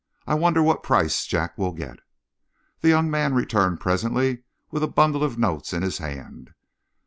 I wonder what price Jack will get." The young man returned presently with a bundle of notes in his hand.